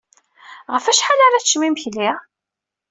Ɣef wacḥal ara teččem imekli?